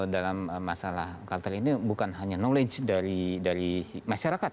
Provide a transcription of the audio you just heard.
dalam masalah culture ini bukan hanya knowledge dari masyarakat